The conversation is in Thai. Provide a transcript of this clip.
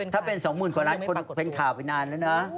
ถ้าเป็น๒๐๐๐กว่าล้านคนเป็นข่าวไปนานแล้วนะ